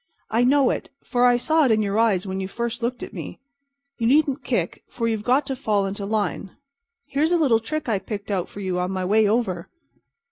I know it, for I saw it in your eyes when you first looked at me. You needn't kick, for you've got to fall into line. Here's a little trick I picked out for you on my way over."